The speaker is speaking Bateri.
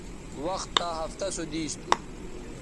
وختہ ہفتہ سو دیس تھو